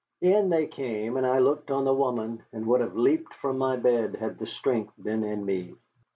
In they came, and I looked on the woman, and would have leaped from my bed had the strength been in me.